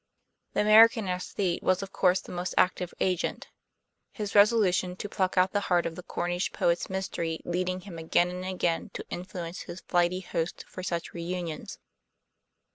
The American aesthete was of course the most active agent, his resolution to pluck out the heart of the Cornish poet's mystery leading him again and again to influence his flighty host for such reunions.